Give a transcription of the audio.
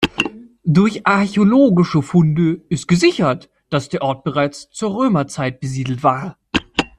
Durch archäologische Funde ist gesichert, dass der Ort bereits zur Römerzeit besiedelt war.